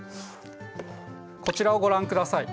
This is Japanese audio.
こちらをご覧ください。